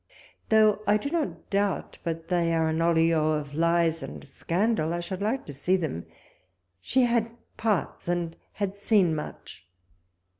Though I do not doubt but they are an olio of lies and scandal, I should like to see them. She had parts, and had seen much.